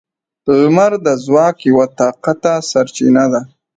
• لمر د ځواک یوه طاقته سرچینه ده.